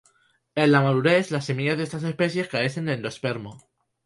En la madurez, las semillas de estas especies carecen de endospermo.